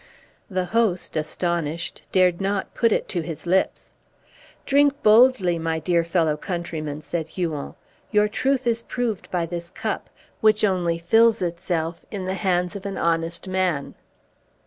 The host, astonished, dared not put it to his lips. "Drink boldly, my dear fellow countryman," said Huon; "your truth is proved by this cup, which only fills itself in the hands of an honest man."